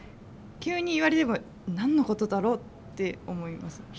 急に言われれば何のことだろうって思います。